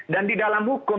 dan di dalam hukum